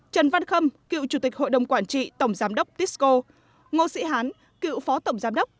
trần văn khâm cựu chủ tịch hội đồng quản trị tổng giám đốc tisco ngô sĩ hán cựu phó tổng giám đốc